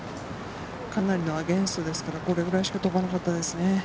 かなりのアゲンストですから、これくらいしか飛ばなかったですね。